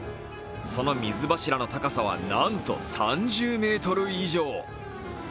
その水柱の高さは、なんと３０ｍ以上。